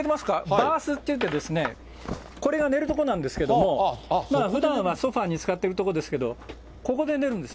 ダースっていって、これが寝る所なんですけれども、ふだんはソファーに使っているところですけど、ここで寝るんです。